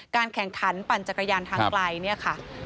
การแข่งขันปั่นจักรยานทางไกล